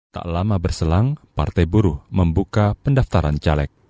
tak lama berselang partai buruh membuka pendaftaran caleg